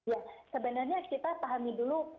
ya sebenarnya kita pahami dulu konsep berbuka puasa